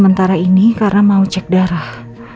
sementara ini karena mau cek darah